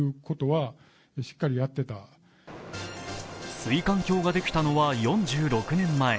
水管橋ができたのは４６年前。